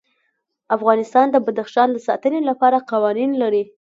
افغانستان د بدخشان د ساتنې لپاره قوانین لري.